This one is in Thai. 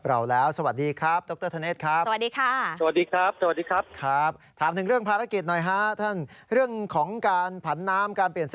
คือตอนนี้เนี่ยเราพบว่าน้ำเนี่ย